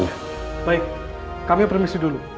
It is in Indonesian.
baik kami permisi dulu